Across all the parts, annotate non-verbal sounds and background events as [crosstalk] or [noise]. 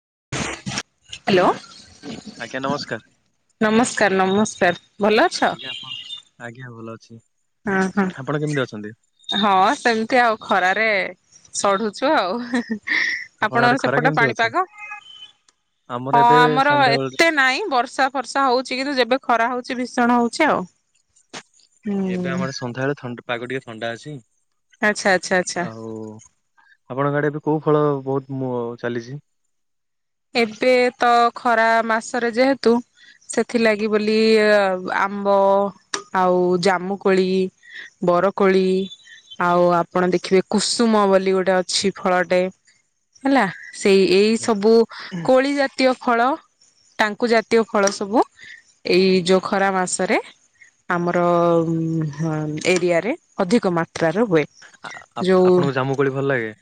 [inaudible] Hello ଆଜ୍ଞା ନମସ୍କାର। ନମସ୍କାର ନମସ୍କାର ଭଲ ଅଛ? ଆଜ୍ଞା ଆପଣ [unintelligible] ହଁହଁ ଆପଣ କେମିତି ଅଛନ୍ତି? ହଁ ସେମିତି ଆଉ ଖରାରେ। ସଢୁଛୁ ଆଉ। ଆପଣଙ୍କ ଆଡେ ଆପଣଙ୍କର ଖରା ସେପଟ କେମିତି ଅଛି? ପାଣିପାଗ? ଆମର ହଁ ଏବେ ଆମର ସନ୍ଧ୍ୟାବେଳେ ଏତେ ନାଇଁ, ବର୍ଷା ଫର୍ଷା ହଉଚି, କିନ୍ତୁ ଯେବେ ଖରା ହଉଚି ଭୀଷଣ ହଉଚି ଆଉ। ଏବେ ହୁଁ। ଆମର ସନ୍ଧ୍ୟାବେଳେ ଥଣ୍ଡ ପାଗ ଟିକେ ଥଣ୍ଡା ଅଛି। ଆଚ୍ଛା ଆଚ୍ଛା ଆଚ୍ଛା ଆଉ ଆପଣଙ୍କର ଆଡେ ଏ କଉ ଫଳ ବହୁତ ମୁଁ ଚାଲିଚି? ଏବେ ତ ଖରା ମାସରେ ଯେହେତୁ ସେଥିଲାଗି ବୋଲି ଆମ୍ବ ଆଉ ଜାମୁକୋଳି, ବରକୋଳି ଆଉ ଆପଣ ଦେଖିବେ କୁସୁମ ବୋଲି ଗୋଟେ ଅଛି ଫଳଟେ ହେଲା। ସେଇ ଏଇ ସବୁ କୋଳି ଜାତୀୟ ଫଳ। ଟାଙ୍କୁ ଜାତୀୟ ଫଳ ସବୁ ଏଇ ଯୋଉ ଖରା ମାସରେ ଆମର ଉଁ ହଁ ଏରିଆରେ ଅଧିକ ମାତ୍ରାର ହୁଏ। ଆ-ଆ ଯୋଉ ଆପଣଙ୍କୁ ଜାମୁ କୋଳି ଭଲ ଲାଗେ?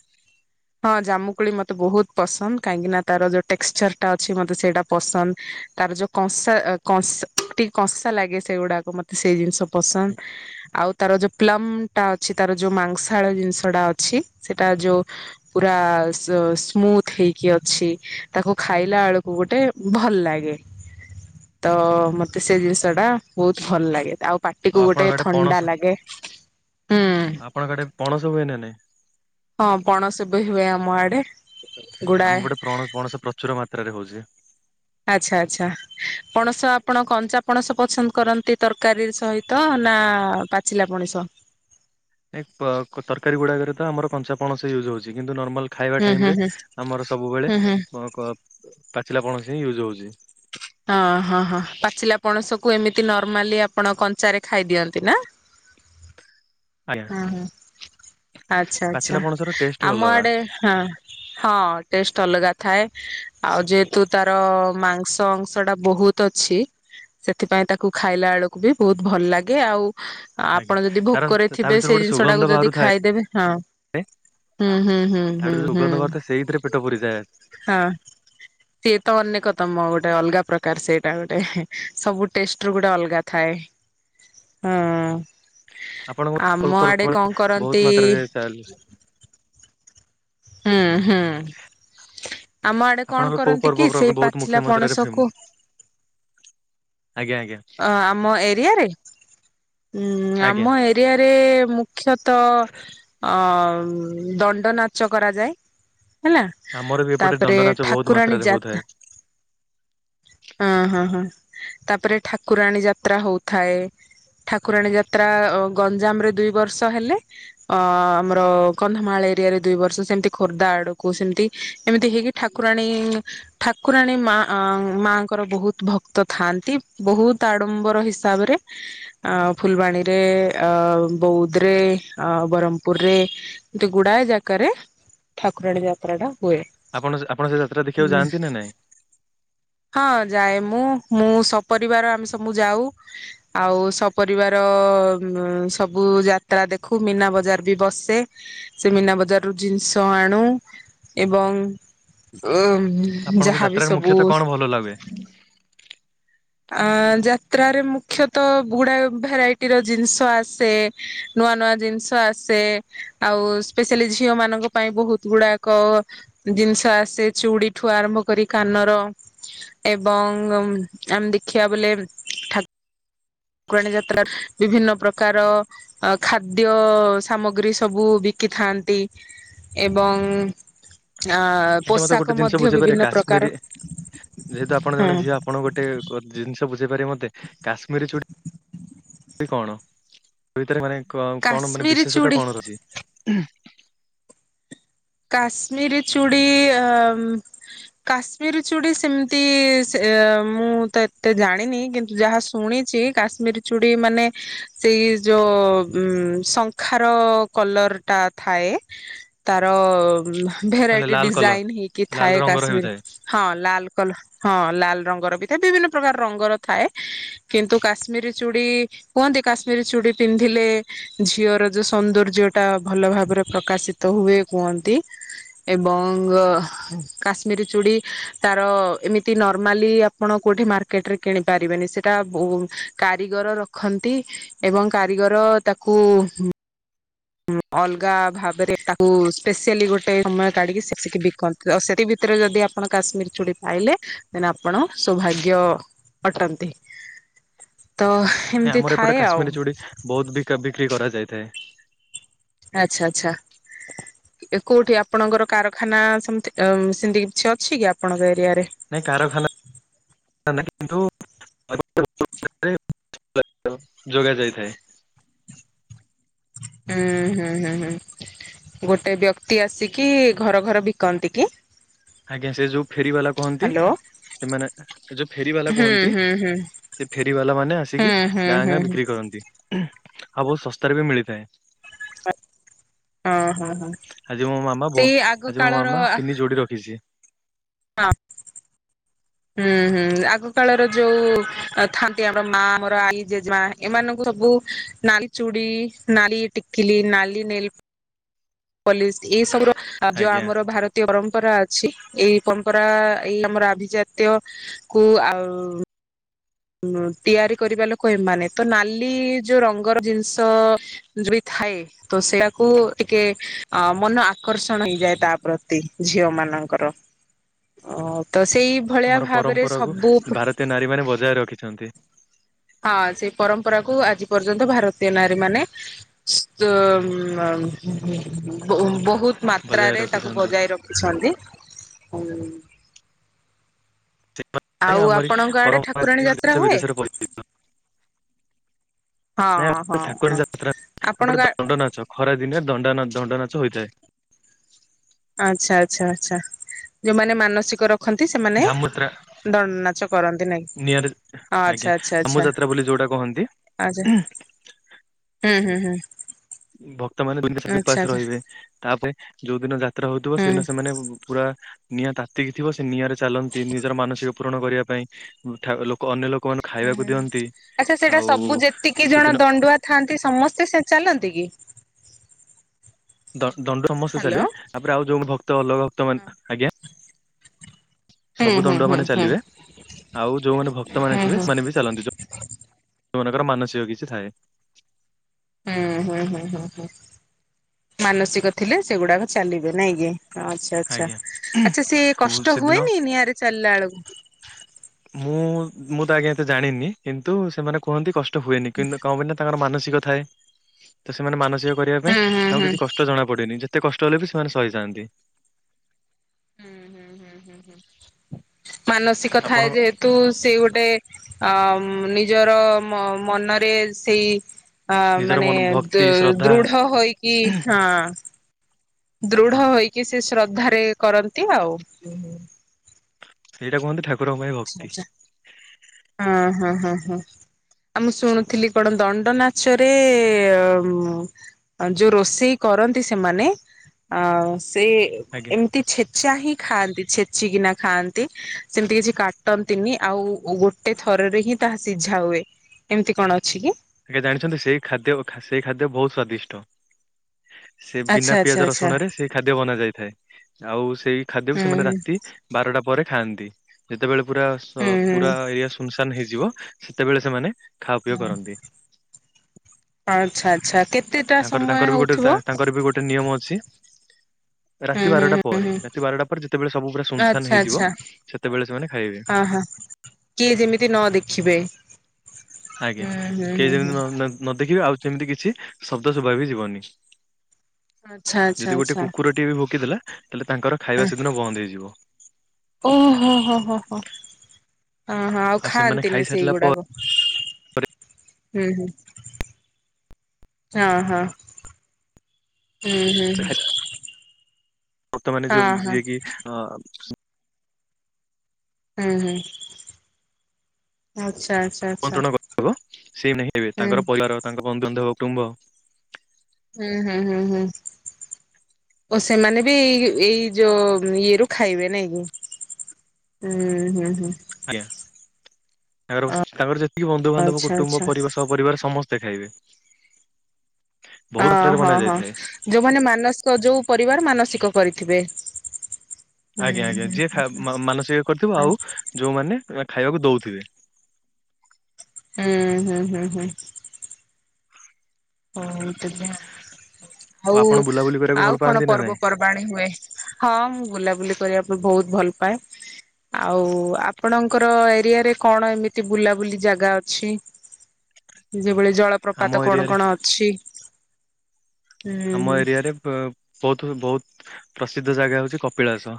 କୋଳି ମତେ ବୋହୁତ ପସନ୍ଦ କାହିଁକି ନାଁ ତାର ଯୋଉ ଟେକ୍ସଚରଟା ଅଛି ମତେ ସେଇଟା ପସନ୍ଦ ତାର ଯୋଉ କଂସା କଂସ ଟିକେ କଂସା ଲାଗେ ସେଉଡ଼ାକ ମତେ ସେ ଜିନଷ ପସନ୍ଦ ଆଉ ତାର ଯୋଉ ପ୍ଲମ୍ ଟା ଅଛି ତାର ଯୋଉ ମାଂସାଳ ଜିନିଷଟା ଅଛି ସେଟା ଯୋଉ ପୁରା ସ୍ ସ୍ମୁଥ ହେଇକି ଅଛି। ତାକୁ ଖାଇଲା ଅଳୁକୁ ଗୋଟେ ଭଲ ଲାଗେ। ତ ମତେ ସେ ଜିନିଷଟା ବୋହୁତ ଭଲ ଲାଗେ ତା ଉ ଆଉ ପାଟିକୁ ଗୋଟେ ଆପଣଙ୍କ ଆଡେ ପଣସ ଥଣ୍ଡା ଲାଗେ ହୁଁ। ଆପଣଙ୍କ ଆଡେ ପଣସ ହୁଏ ନା ନାଇଁ? ହଁ ପଣସ ବେ ହୁଏ ଆମ ଆଡ଼େ। ଆମ ପଟେ ପ୍ରଣ ପଣସ ପ୍ରଚୁର ମାତ୍ରାରେ ହୋଉଚ୍ ଯେ ଆଚ୍ଛା ଆଚ୍ଛା ପଣସ ଆପଣ କଞ୍ଚା ପଣସ ପଛନ୍ଦ କରନ୍ତି ତରକାରୀ ସହିତ ନାଁ ପାଚିଲା ପଣିସ? ନାଇଁ ପ କ ତରକାରୀ ଗୁଡ଼ାକରେ ତ ଆମର କଞ୍ଚା ପଣସ ୟୁଜ୍ ହୋଉଚି। କିନ୍ତୁ ନର୍ମାଲ୍ ଖାଇବା ହୁଁ ହୁଁ ଟାଇମରେ ହୁଁ ଆମର ସବୁବେଳେ ହୁଁ ହୁଁ ଉ କ ପା ସିଲା ପଣସି ହିଁ ୟୁଜ୍ ହୋଉଚି। ହଁ ହଁ ହଁ ପାଚିଲା ପଣସକୁ ଏମିତି ନର୍ମାଲି ଆପଣ କଞ୍ଚାରେ ଖାଇଦିଅନ୍ତି ନାଁ? ଆଜ୍ଞା ହଁ ହଁ ଆଚ୍ଛା ପାଚିଲା ଆଚ୍ଛା। ପଣସର ଟେଷ୍ଟ ହିଁ ଆମ ଅଲଗା ଆଡ଼େ ହଁ ହଁ ଟେଷ୍ଟ୍ ଅଲଗା ଥାଏ ଆଉ ଯେହେତୁ ତାର ମାଂସ ଅଂଶ ତଟା ବୋହୁତ ଅଛି ସେଥିପାଇଁ ତାକୁ ଖାଇଲା ଅଳୁକୁ ବି ବୋହୁତ ଭଲ ଲାଗେ ଆଉ ଆ ଆଜ୍ଞା ଆପଣ ଯଦି ତାର ଭୋକରେ ତା ଥିବେ ଭିତରୁ ସେ ଗୋଟେ ସୁଗନ୍ଧ ଜିନିଷଟାକୁ ଯଦି ବାହାରୁଥାଏ ଖାଇଦେବେ ହଁ ହୁଁ ହୁଁ ହୁଁ ତା ହୁଁ ଭିତରୁ ହୁଁ ସୁଗନ୍ଧ ବାହାରୁଥାଏ ସେଇଥିରେ ପେଟ ପୁରିଯାଏ ହଁ ସିଏ ତ ଅନେକ ତମ ଗୋ ଟା ଅଲଗା ପ୍ରକାର ସେଇଟା ଗୋଟେ ସବୁ ଟେଷ୍ଟ୍ ରୁ ଗୋଟେ ଅଲଗା ଥାଏ ହଁ। ଆପଣଙ୍କର୍ ଆମ ଆଡେ କଣ [unintelligible] କରନ୍ତି ବୋହୁତ ମାତ୍ରାରେ ଚାଲିଚି। ହୁଁ ହୁଁ ଆମ ଆଡ଼େ କଣ ଆପଣଙ୍କ କୋଉ କରନ୍ତି ପର୍ବ କି ସେଇ ବହୁତ ମୁଖ୍ୟ ପାଚିଲା ମାତ୍ରାରେ ଫେମ ପଣସକୁ ଆଜ୍ଞା ଆଜ୍ଞା ଅ ଆମ ଏରିଆରେ? ଉଁ ଆଜ୍ଞା ଆମ ଏରିଆରେ ମୁଖ୍ୟତଃ ଅ ଉଁ ଦଣ୍ଡନା ଚ କରାଯାଏ। ହେଲା ଆମର ବି ଏପଟେ ତାପରେ ଦଣ୍ଡ ନାଚ ବହୁତ ଠାକୁରାଣୀ ମାତ୍ରାରେ ହଉଥାଏ ଯାତ ହଁ ହଁ ହଁ। ତାପରେ ଠାକୁରାଣୀ ଯାତ୍ରା ହୋଉଥାଏ। ଠାକୁରାଣୀ ଯାତ୍ରା ଅ ଗଞ୍ଜାମରେ ଦୁଇ ବର୍ଷ ହେଲେ ଅ ଆମର କନ୍ଧମାଳ ଏରିଆରେ ଦୁଇ ବର୍ଷ ସେମତି ଖୋର୍ଦ୍ଧା ଆଡ଼ୁକୁ ସେମତି ଏମିତି ହେଇକି ଠାକୁରାଣୀ ଠାକୁରାଣୀ ମା ଅ ମାଙ୍କର ବୋହୁତ ଭକ୍ତ ଥାଆନ୍ତି। ବୋହୁତ ଆଡ଼ମ୍ବର ହିସାବରେ ଅ ଫୁଲବାଣୀରେ ଅ ବୌଦରେ ଅ ବରମପୁରରେ ଦୁ ଗୁଡ଼ାଏ ଜା କାରେ ଠାକୁରାଣୀ ଯାତ୍ରାଟା ଆପଣ ସେ ଆପଣ ସେ ଯାତ୍ରା ଦେଖିବାକୁ ଯାଆନ୍ତି ନାଁ ନାଇଁ। ହଁ ଯାଏ ମୁଁ ମୁଁ ସପରିବାର ଆମେ ସମୁ ଯାଉ ଆଉ ସପରିବାର ଉଁ ସବୁ ଯାତ୍ରା ଦେଖୁ ମୀନା ବଜାର ବି ବସେ ସେ ମୀନା ବଜାର ଜିନିଷ ଆଣୁ ଏବଂ ଆପଣଙ୍କୁ ଯାହାବି ଯାତ୍ରାରେ ସବୁ ମୁଖ୍ୟତଃ କଣ ଭଲ ଲାଗେ ଅ ଯାତ୍ରାରେ ମୁଖ୍ୟତଃ ଗୁଡା ଭେରାଇଟିର ଜିନିଷ ଆସେ ନୂଆ ନୂଆ ଜିନିଷ ଆସେ ଆଉ ସ୍ପେଶିଆଲି ଝିଅ ମାନଙ୍କ ପାଇଁ ବହୁତ ଗୁଡାକ ଜିନିଷ ଆସେ ଚୁଡ଼ିଠୁ ଆରମ୍ଭ କରି କାନର ଏବଂ ଆମେ ଦେଖିବା ବୋଲେ ଠା- ଠାକୁରାଣୀ ଯାତ୍ରାର ବିଭିନ୍ନ ପ୍ରକାର ଖାଦ୍ୟ ସାମଗ୍ରୀ ସବୁ ବିକିଥାନ୍ତି। ଏବଂ ଆ ଆଜ୍ଞା ମୋତେ ପୋଷାକ ଗୋଟେ ଜିନିଷ ମଧ୍ୟ ବୁଝେଇ ପାରିବ ବିଭିନ୍ନ ପ୍ରକାର କାଶ୍ମୀରୀ ଯେହେତୁ ଆପଣ ହୁଁ ଜଣେ ଝିଅ ଆପଣ ଗୋଟେ ଜିନିଷ ବୁଝେଇ ପାରିବେ ମୋତେ କାଶ୍ମୀରୀ ଚୁଡି କଣ ଭିତରେ ମାନେ କ କଣ ମାନେ କାଶ୍ମୀରୀ ବିଶେଷତା ଚୁଡ଼ି କଣ ଅଛି? କାଶ୍ମିର ଚୁଡି କାଶ୍ମିର ଚୁଡି ସେମିତି ମୁଁ ତ ଏତେ ଜାଣିନି କିନ୍ତୁ ଯାହା ଶୁଣିଛି କାଶ୍ମୀର ଚୁଡି ମାନେ ସେଇ ଯୋଉ ଶଙ୍ଖାର କଲରଟା ଥାଏ ତାର- ର ମାନେ ଭେରାଇଟି ଲାଲ କଲର ଡିଜାଇନ୍ ହେଇକି ଲାଲ ଥାଏ ରଙ୍ଗର କାଶ୍ମୀର ହେଉଥାଏ ହଁ ଲାଲ କଲର ହଁ ଲାଲ ରଙ୍ଗର ବି ବିଭିନ୍ନ ପ୍ରକାର ରଙ୍ଗର ଥାଏ କିନ୍ତୁ କାଶ୍ମୀର ଚୁଡି କୁହନ୍ତି କାଶ୍ମୀର ଚୁଡ଼ି ପିନ୍ଧିଲେ ଝିଅର ଯୋଉ ସୌନ୍ଦର୍ଯ୍ୟ ଟା ଭଲ ଭାବରେ ପ୍ରକାଶିତ ହୁଏ। କୁହନ୍ତି ଏବଂ କାଶ୍ମୀରୀ ଚୁଡ଼ି ତାର ଏମିତି ନର୍ମାଲି ଆପଣ କୋଉଠି ମାର୍କେଟରେ କିଣିପାରିବେନି ସେଟା କାରିଗର ରଖନ୍ତି ଏବଂ କାରିଗର ତାକୁ ଉ ଅଲଗା ଭାବରେ ତାକୁ ସ୍ପେସିଆଲି ଗୋଟେ ସମୟ କାଢିକିି ବିକନ୍ତି ସେଥି ଭିତରେ ଯଦି ଆପଣ କାଶ୍ମୀର ଚୁଡି ପାଇଲେ ଦେନ ଆପଣ ସୌଭାଗ୍ୟ ଅଟନ୍ତି। ତ ଏମିତି ଆମର ଏପଟେ ଥାଏ ଆଉ କାଶ୍ମରୀ ଚୁଡି ବହୁତ ବ ବିକ୍ରି କରାଯାଏ। ଯାଇଥାଏ। ଆଚ୍ଛା ଆଚ୍ଛା କୋଉଠି ଆପଣଙ୍କର କାରଖାନା ସେମିତି ଅଁ ସେମିତି କିଛି ଅଛି କି ଆପଣଙ୍କ ଏ ନାଇଁ କାରଖାନା ନାଇଁ କିନ୍ତୁ [unintelligible] ଯୋଗ ଯାଇଥାଏ। ହୁଁ ହୁଁ ହୁଁ ହୁଁ ଗୋଟେ ବ୍ୟକ୍ତି ଆସିକି ଘର ଘର ବିକନ୍ତି କି? ଆଜ୍ଞା ସେ ଯୋଉ ଫେର ବାଲା କୁହନ୍ତି ହ୍ୟାଲୋ ସେମାନେ ଯୋଉ ଫେରୀ ବାଲା ହୁଁ କୁହନ୍ତି ହୁଁ ହୁଁ ସେ ଫେରୀ ବାଲା ମାନେ ହୁଁ ଆସିକି ହୁଁ ଗାଁ ହୁଁ ଗାଁ ବିକ୍ରି କରନ୍ତି। ଆଉ ବହୁତ ଶସ୍ତାରେ ବି ମିଳିଥାଏ। ହଁ ହଁ ହଁ ଆଜି ମୋ ସେଇ ଆଗ କାଳର ଆ ସେ ହଁ। ହୁଁ ହୁଁ ଆଗ କାଳର ଯୋଉ ଥାନ୍ତି ଆମ ମୋର ମା ମୋର ଆଈ ଜେଜେମା ଏମାନଙ୍କୁ ସବୁ ନାଲି ଚୁଡି ନାଲି ଟିକିଲି ନାଲି ନେ ପୋଲିସ ଏ ସଂ ଆଉ ଯୋଉ ଆଜ୍ଞା ଆମର ଭାରତୀୟ ପରମ୍ପରା ଅଛି ଏଇ ପରମ୍ପରା ଏଇ ଆମର ଆଭିଜାତୀୟ କୁ ଆଉ। ତିଆରି କରିବା ଲୋକ ଏମାନେ ତ ନାଲି ଯୋଉ ରଙ୍ଗର ଜିନିଷ ଯୋ ଥାଏ ତ ସେଇଆାକୁ ଟିକେ ଅ ମନ ଆକର୍ଷଣ ହେଇଯାଏ ତା ପ୍ରତି ଝିଅ ମାନଙ୍କର ଅ ତ ସେଇ ଭଳିଆ ଆମର ଭାବରେ ପରମ୍ପରାକୁୁ ସବୁ ଭାରତୀୟ ନାରୀ ମାନେ ବଜାୟ ରଖି ଛନ୍ତି। ପରମ୍ପରା କୁ ଆଜି ପର୍ଯ୍ୟନ୍ତ ଭାରତୀୟ ନାରୀ ମାନ ବହୁତ ବଜାୟ ମାତ୍ରାରେ ତାକୁ ରଖିଛନ୍ତି ବଜାଇ ରଖିଛନ୍ତି। ହଜ। [unintelligible] ସେ ଆମରି ଆଡେ ପରମ୍ପରା ଠାକୁରାଣୀ ଯାତ୍ରା ଦେଶ ହୁଏ? ବିଦେଶରେ ପରିଚିତ। ହଁ ହଁ ନାଇଁ ହଁ ଠାକୁରାଣୀ ଯାତ୍ରା ଆମ ଆପଣଙ୍କ ଗଟେ ଦଣ୍ଡ ନାଚ ଖରା ଦିନେ ଦଣ୍ଡାନଚ ଦଣ୍ଡନାଚ ହୋଇଥାଏ। ଆଚଛା ଆଚଛା ଆଛା। ଯଉମାନେ ମାନସିକ ର ଖନ୍ତି, ସେମାନେ ଝାମୁତ୍ରା ଦଣ୍ଡ ନାଚ କରନ୍ତି ନାଇଁ। ନିଆଁରେ ହଁ ଆଚ୍ଛା ଆଜ୍ଞା ଆଚ୍ଛା ଝାମୁ ଆଚ୍ଛା ଯାତ୍ରା ବୋଲି ଯୋଉଟା କହନ୍ତି। ଆଛା ହୁଁ ହୁଁ ହୁଁ। ଭକ୍ତମାନେ ଦୁଇ [unintelligible] ଆଚ୍ଛା ଉପାସ ଆଚ୍ଛା ରହିବେ ତାପରେ ଯଉ ଦିନ ଯା ତ୍ରା ହଉଥିବ ହୁଁ ସେଦିନ ସେମାନେ ପୁରା ନିଆଁ ତାତିକି ଥିବ ସେ ନିଆଁରେ ଚାଲନ୍ତି ନିଜର ମାନସିକ ପୂରଣ କରିବା ପାଇଁ ଉଁ ଥା ଅ ଅନ୍ୟ ଲୋକ ହୁଁ ହୁଁଁ ହୁଁ। ଆଚ୍ଛା ସେଇଟା ସବୁ ଯେତିକି ଜଣ ସେଦିନ ଦଣ୍ଡୁଆ ଥାଆନ୍ତି ସମସ୍ତେ ସେ ଚାଲନ୍ତି କି? ଦ ଦଣ୍ଡ ସମସ୍ତେ ହ୍ୟାଲୋ ଚାଲିବେ। ତାପରେ ଆଉ ଯଉ ଭକ୍ତ ଅଲଗା ଭକ୍ତ ମାନେ ଆଜ୍ଞା ହୁଁ ସବୁ ହୁଁ ଦଣ୍ଡ ହୁଁ ମାନେ ହୁଁ ଚାଲିବେ। ଆଉ ଯଉମାନେ ଭକ୍ତମାନେ ହୁଁ ଥିବେ, ହୁଁ ସେମାନେ ବି ଚାଲନ୍ତି। ସେମାନଙ୍କର ମାନସିକ କିଛି ଥାଏ। ହୁଁ ହୁଁ ହୁଁ ହୁଁ ହୁଁ। ମାନସିକ ଥିଲେ ସେଗୁଡାକ ଚାଲିବେ ନାଇଁ କି? ଆଚ୍ଛା ଆଚ୍ଛା। ଆଜ୍ଞା। ଆଚ୍ଛା ସିଏ ଆଉ କଷ୍ଟ ସେଦିନ ହୁଏନି ନିଆଁରେ ଚାଲିଲା ବେଳକୁ? ମୁଁ ମୁଁ ତ ଆଜ୍ଞା ଏତେ ଜାଣିନି କିନ୍ତୁ ସେମାନେ କୁହନ୍ତି କଷ୍ଟ ଟ ହୁଏନି କିନ୍ତୁ କଣ ନା ତାଙ୍କର ମାନସିକ କ ଥାଏ, ତ ସେମାନେ ମାନସିକ କରିବା ପାଇଁ ହୁଁ ହୁଁ ତାଙ୍କୁ ହୁଁ। କିଛି କଷ୍ଟ ଜଣା ପଡେନି। ଯେ ଏତେ କଷ୍ଟ ହେଲେ ବି ସେମାନେ ସହିଯାଆନ୍ତି। ହୁଁ ହୁଁ ହୁଁ ହୁଁ ହୁଁ। ମାନସିକ ଆପଣ ଥାଏ ଯେହେତୁ ସେ ଗୋଟେ ଆ ନିଜର ମ ମନରେ ସେଇ ଆ ନିଜର ମାନେ ମନ ଭକ୍ତି ଦୁ ଶ୍ରଦ୍ଧା ଦୃଢ ହୋଇକି ହଁ। ଦୃଢ ହଁ ହୋଇକି ସେ ଶ୍ରଦ୍ଧା ରେ କରନ୍ତି ଆଉ। ସେଇଟା କୁହନ୍ତି ଠାକୁ ଛା ହଁ ହଁ। ହଁ ହଁ। ଆଉ ମୁଁ ଶୁଣୁଥିଲି କଣ ଦଣ୍ଡ ନାଚରେ, ଆ ଯଉ ରୋଷେଇ କରନ୍ତି ସେମାନେ ଆ ସେ ଆଜ୍ଞା ଏମିତି ଛେ ଚା ହିଁ ଖାଆନ୍ତି ଛେଚିକିନା ଖାଆନ୍ତି। ସେମିତି କିଛି କା ଟନ୍ତିନି। ଆଉ ଗୋଟେ ଥରରେ ହିଁ ତାହା ସିଝା ହୁଏ। ଏମିତି କଣ ଅଛି କି? ଆଜ୍ଞା ଜାଣିଛନ୍ତି ସେଇ ଖାଦ୍ୟ ସେଇ ଖାଦ୍ୟ ବହୁତ ସ୍ଵାଦିଷ୍ଟ। ସେ ଆଚ୍ଛା ବିନା ଆଚ୍ଛା ପିଆଜ ଆଚ୍ଛା ରସୁଣରେ ସେଇ ଖାଦ୍ୟ ବନା ଯାଇଥାଏ ଆଉ ସେଇ ଖାଦ୍ୟକୁ ହୁଁ ସେମାନେ ହୁଁ ରାତି ବାରଟା ପରେ ଖାଆନ୍ତି ଯେତେବେଳୁ ପୁରା ଶ ହୁଁ ହୁଁ। ପୁରା ଏରିଆ ଶୁନ୍ ଶାନ୍ ହେଇଯିବ, ସେତେବେଳେ ସେମାନେ ଖା ପିଅ ହୁଁ। କରନ୍ତି। ଆଚ୍ଛା ଆଚ୍ଛା କେତ୍ ତାଙ୍କର ତାଙ୍କର ବି ଗୋଟେ ତାଙ୍କର ବି ଗୋଟେ ନିୟମ ଅଛି। ହୁଁ ରାତି ହୁଁ ବାରଟା ହୁଁ ପରେ, ହୁଁ। ରାତି ବାରଟା ପରେ ଯେତେବେଳେ ସବୁ ପୁରା ଶୁନଶାନ୍ ଆଚ୍ଛା ହେଇଯିବ ଆଚ୍ଛା ସେତେବେଳେ ସେମାନେ ଖାଇବେ। ହଁ ହଁ କିଏ ଯେମିତି ନ ଦେଖିବେ ଆଜ୍ଞା ହୁଁ ହୁଁ କେ ହୁଁ ହୁଁ। ଯେମିତି ନ ନ ନଦ ଦେଖିବେ ଆଉ ସେମିତି କିଛି ଶବ୍ଦ ଶୁଭା ବି ଯିବନି। ଆଚ୍ଛା ଆଚ୍ଛା ଯଦି ଗୋଟେ ଆଚ୍ଛା କୁକୁରଟିଏ ବି ଭୋକିଦେଲା ତାଲେ ତାଙ୍କର ଖାଇବା ସେଦିନ ବନ୍ଦ୍ ହେଇଯିବ। ଓହୋ ହୋ ହୋ ହୋ ହଁ ହଁ ଆଉ ସେମାନେ ଖାଆନ୍ତିନି ଖାଇସାରିଲା ସେଇଗୁଡାକ? ହୁଁ ହୁଁ ହଁ ହଁ। ହୁଁ ହୁଁ ହୁଁ। ପରେ ବର୍ତ୍ତମାନେ ଯୋମ୍ ହଁ ହଁ ଯିଏ କିି ଅଅ? ହୁଁ ହୁଁ। [inaudible] ଆଚ୍ଛା ଆମନ୍ତ୍ରଣ କରାହେବ ସେ [inaudible] ହେବେ ହୁଁ ତାଙ୍କର ପରିବାର ହେବ ତାଙ୍କ ବନ୍ଧୁବାନ୍ଧବ ହେବ। କୁଟୁମ୍ବ। ହୁଁ ହୁଁ ହୁଁ ହୁଁ, ଓ ସେମାନେ ବି ଏଇ ଏଇ ଯୋଉ ଇଏରୁୁ ଖାଇବେ ନାଇଁ କି, ହୁଁ ହୁଁ ହୁଁ। ଆଜ୍ଞା ତାଙ୍କର ତାଙ୍କର ଯେ [inaudible] ବନ୍ଧୁବାନ୍ଧବ ଆଚ୍ଛା କୁଟୁମ୍ବ ଆଚ୍ଛା ପରି ସହପରିବାର ସମସ୍ତେ ଖାଇବେ। ବହୁ ଅ ମାତ୍ରାରେ ହଁ ବନା ହଁ ଯାଇଥାଏ ଯୋଉମାନେ ମାନସ୍କ ଯୋଉ ପରିବାର ମାନସିକ କରିଥିବେ। ହୁଁ ଆଜ୍ଞା ହୁଁ ଆଜ୍ଞା ହୁଁ ଯିଏ ଖା ମାନସିକ କରିଥିବ ଆଉ ଯୋଉମାନେ [inaudible] ଖାଇବାକୁ ଦଉଥିବେ। ହୁଁ ହୁଁ ହୁଁ ହୁଁ। ହୁଁ। ଆଉ ଆପଣ ବୁଲାବୁଲି କରିବାକୁ ଆଉ ଭଲ କଣ ପାଆନ୍ତି ନା ନାଇଁ ପର୍ବପର୍ବାଣୀ ହୁଏ? ହଁ ମୁଁ ବୁଲାବୁଲି କରିବା ପାଇଁ ବହୁତ ଭଲ ପାଏ ଆଉ ଆପଣଙ୍କର ଏରିଆରେ କଣ ଏମିତି ବୁଲାବୁଲି ଜାଗା ଅଛି ହୁଁ। ଯେଭଳି ଆମ ଜଳପ୍ରପାତ କଣ ଏରିଆରେ କଣ ଅ? [inaudible] ଆମ ଏରିଆରେ ପ ବହୁତ ବହୁତ ପ୍ରସିଦ୍ଧ ଜାଗା ହଉଛି କପିଳାସ।।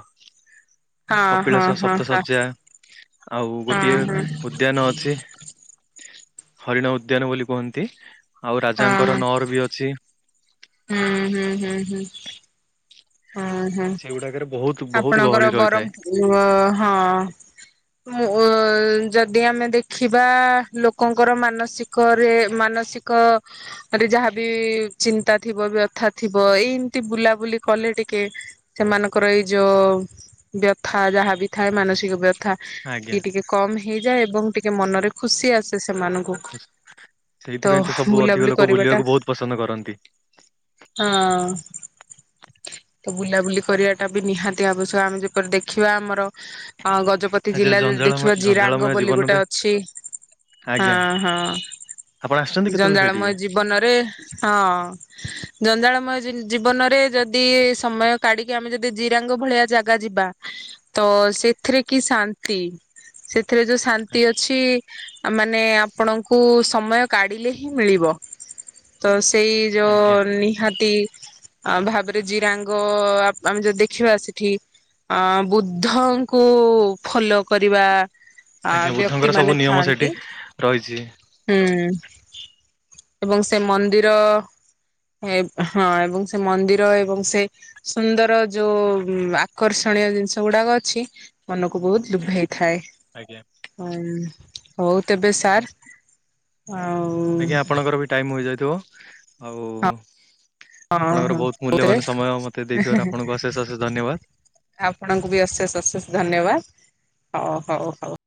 ହଁ ହଁ କପିଳାସ ହଁ ସପ୍ତ ହଁ ଶଯ୍ୟା ଆଉ ହଁ ଗୋଟିଏ ହଁ ଉଦ୍ୟାନ ଅଛି। ହରିଣ ଉଦ୍ୟାନ ବୋଲି କୁହନ୍ତି। ଆଉ ହଁ ହଁ। ରାଜାଙ୍କର ନଅର ବି ଅଛି। ହୁଁ ହୁଁ ହୁଁ ହୁଁ। ହଁ ହଁ ସେଗୁଡାକରେ ବହୁତ ବହୁତ ଆପଣଙ୍କର ଗହଳି ରହିଥାଏ ବରହମପ ହଁ। ମୁଁ ଯଦି ଆମେ ଦେଖିବା ଲୋକଙ୍କର ମାନସିକରେ ମାନସିକରେ ଯାହାବି ଚିନ୍ତା ଥିବ ବ୍ୟଥା ଥିବ ଏଇ ଏମିତି ବୁଲାବୁଲି। କଲେ ଟିକେ ସେମାନଙ୍କର ଏଇ ଯୋଉ ବ୍ୟଥା ଯାହା ବିି ଥାଏ ମାନସିକ ବ୍ୟ ଥା ଆଜ୍ଞା ବି ଟିକେ କମ ହେଇଯାଏ ଏବଂ ଟିକେ। ମନରେ ଖୁସି ଆସ। ସେମାନଙ୍କୁ ତ ସେଇଥିପାଇଁ ସବୁ ଅଧିକ ବୁଲାବୁଲି ଲୋକ କରିବାଟା ବୁଲିବାକୁ ବହୁତ ପସନ୍ଦ କରନ୍ତି। ହଁ। ତ ବୁଲାବୁଲି କରିବା ଟା ବି ନିହାତି ଆବଶ୍ୟକ ଆମେ ଯେପରି ଦେଖିବା ଆମର। ହଁ ଗଜପତି ଆଚ୍ଛା ଜିଲ୍ଲା ଯଦି ଜଞ୍ଜାଳମୟ ଦେଖିବା ଜିରାଙ୍ଗ ଜଞ୍ଜାଳମୟ ବୋଲି ଗୋଟେ ଜୀବନରେ ଅଛି ଆଜ୍ଞା ହଁ ହଁ ଆପଣ ଆସିଛନ୍ତି କେତେବେଳେ ଜଞ୍ଜାଳମୟ ସେଇଠିକି? ଜୀବନରେ ହଁ। ଜଞ୍ଜାଳମୟ ଜିନ୍ ଜୀବନରେ ଯଦି। ଯଦି ସମୟ କାଢିକି ଆମେ ଯଦି ଜିରାଙ୍ଗ ଭଳିଆ ଜାଗା ଯିବା ତ ସେଥିରେ କି ଶାନ୍ତି। ଏଥିରେ ଯୋଉ ଶାନ୍ତି ଅଛି। ମାନେ ଆପଣଙ୍କୁ ସମୟ କାଢିଲେ ହିଁ ମିଳିବ ତ। ସେଇ ଆଜ୍ଞା ଯେଉଁ ନିହାତି। ଆଁ ଭାବେ ଜିରାଙ୍ଗ ଆମେ ଯଦି ଦେଖିବା ସେଠି ଅ ବୁଦ୍ଧଙ୍କୁ ଫଲୋ କରିବା। ଆ ଆଜ୍ଞା ବ୍ୟକ୍ତି ବୁଦ୍ଧଙ୍କର ମାନେ ସବୁ ନିୟମ ଥାଆନ୍ତି ସେଇଠି ରହିଛି। ହୁଁ ଏବଂ ସେ ମନ୍ଦିର ହଁ ଏବଂ ସେ ମନ୍ଦିର। ଏବଂ ସେ ସୁନ୍ଦର ଯୋଉ ଆକର୍ଷଣୀୟ ଜିନିଷ ଗୁଡାକ ଅଛି ମନକୁ ବହୁତ ଲୁଭେଇ ଥାଏ ଆଜ୍ଞା। ହୁଁ। ହଉ ତେବେ ସାର୍। ଆଉ ଆଜ୍ଞା ଆପଣଙ୍କର ବି ଟାଇମ ହୋଇଯାଇଥିବ। ଆଉ। ହଁ ଆପଣଙ୍କର ହଁ ବହୁତ କୋଉଥିରେ ମୂଲ୍ୟବାନ ସମୟ ମତେ ଦେଇଥିବାରୁ ଆପଣଙ୍କୁ ଅଶେଷ ଅଶେଷ ଧନ୍ୟବାଦ। ଆପଣଙ୍କୁ ବି ଅଶେଷ ଅଶେଷ। ଧନ୍ୟବାଦ ହଉ ହଉ ହଉ।